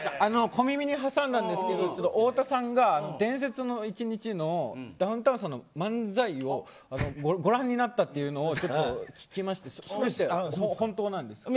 小耳にはさんだんですけど太田さんが伝説の１日のダウンタウンさんの漫才をご覧になったっていうのを聞きまして、本当なんですか。